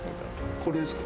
これですか？